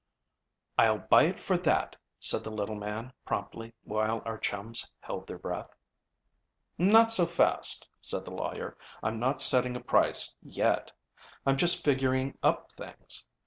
"I'll buy it for that," said the little man promptly, while our chums held their breath. "Not so fast," said the lawyer. "I'm not setting a price yet. I'm just figuring up things.